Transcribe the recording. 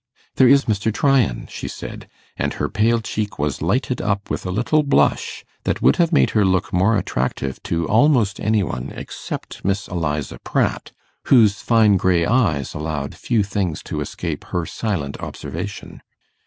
'There is Mr. Tryan,' she said, and her pale cheek was lighted up with a little blush that would have made her look more attractive to almost any one except Miss Eliza Pratt, whose fine grey eyes allowed few things to escape her silent observation.